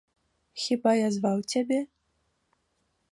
Хіба я зваў цябе?